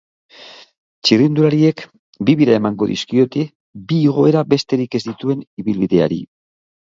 Txirrindulariek bi bira emango dizkiote bi igoera besterik ez dituen ibilbideari.